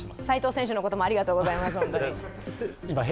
齋藤選手のこともありがとうございます、本当に。